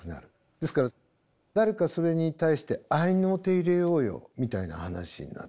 ですから誰かそれに対して合いの手入れようよみたいな話になってくる。